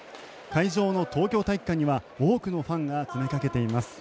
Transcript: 会場の東京体育館には多くのファンが詰めかけています。